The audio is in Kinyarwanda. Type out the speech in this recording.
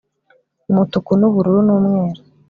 umutuku n'ubururu n'umweru.